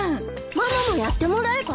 ママもやってもらえば？